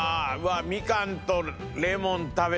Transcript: みかんとレモン食べてみたい。